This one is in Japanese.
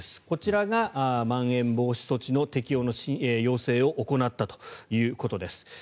こちらがまん延防止措置の適用の要請を行ったということです。